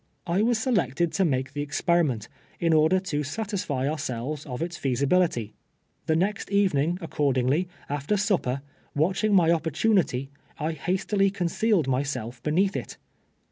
I was selected to make the experiment, in order to satisfy ourselves of its fea sibility. The next evening, accordingly, after supper, watching my opportunity, I hastily concealed inyself beneath it.